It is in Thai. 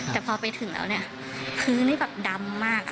แต่พอไปถึงแล้วเนี่ยพื้นนี่แบบดำมาก